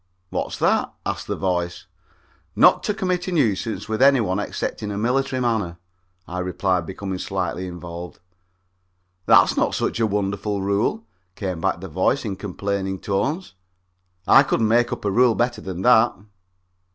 "What's that?" asks the voice. "Not to commit a nuisance with any one except in a military manner," I replied, becoming slightly involved. "That's not such a wonderful rule," came back the voice in complaining tones. "I could make up a rule better than that."